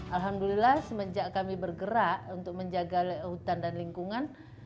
alhamdulillah semenjak kami bergerak untuk menjaga hutan dan lingkungan